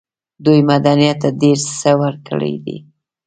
دوی مدنيت ته ډېر څه ورکړي دي.